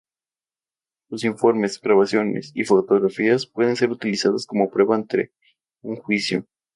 Sus informes, grabaciones, y fotografías, pueden ser utilizadas como prueba ante un juicio.